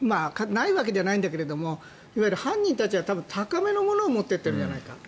ないわけではないけど犯人たちは高めのものを持って行ってるんじゃないかと。